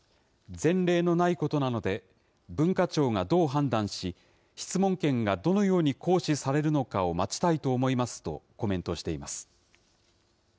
前例のないことなので、文化庁がどう判断し、質問権がどのように行使されるのかを待ちたいと思いますとコメントしています。